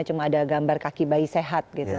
cuma ada gambar kaki bayi sehat gitu